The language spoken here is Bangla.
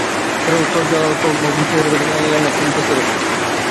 তর্কযোগ্যভাবে বিশ্বসেরা ব্যাটিং লাইনআপকে নিজেদের কন্ডিশনে বিধ্বংসী রূপে দেখা যায়নি একবারও।